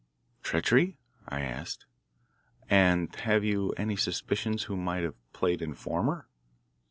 "Treachery?" I asked. "And have you any suspicions who might have played informer?"